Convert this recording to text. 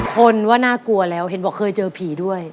คนว่าน่ากลัวแล้วเห็นบอกเคยเจอผีด้วย